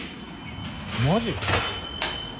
マジ！？